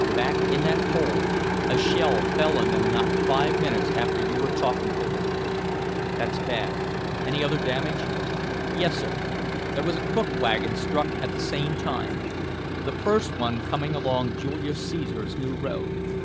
Back in that hole. A shell fell on them not five minutes after you were talking to them." "That's bad. Any other damage?" "Yes, sir. There was a cook wagon struck at the same time; the first one coming along Julius Caesar's new road.